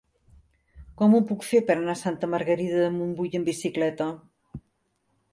Com ho puc fer per anar a Santa Margarida de Montbui amb bicicleta?